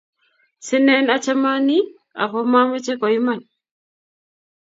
Sinen achamani ako mameche ko iman